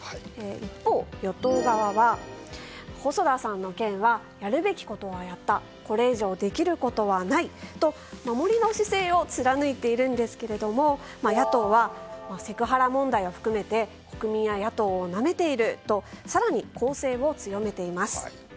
一方、与党側は細田さんの件はやるべきことはやったこれ以上できることはないと守りの姿勢を貫いているんですが野党は、セクハラ問題を含めて国民や野党をなめていると更に攻勢を強めています。